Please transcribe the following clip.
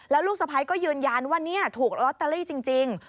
แล้วลูกสะพ้ายก็ยืนยันว่าถูกลอตเตอรี่จริง